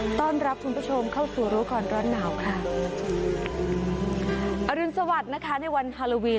ต้อนรับคุณผู้ชมเข้าสู่รู้ก่อนร้อนหนาวค่ะอรุณสวัสดิ์นะคะในวันฮาโลวีน